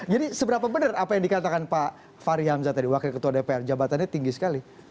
jadi seberapa benar apa yang dikatakan pak fahri hamzah tadi wakil ketua dpr jabatannya tinggi sekali